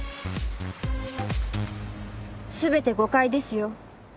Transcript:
全て誤解ですよ。